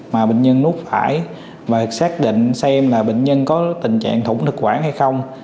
mà bệnh nhân núp phải xác định xem là bệnh nhân có tình trạng thủng thực quản hay không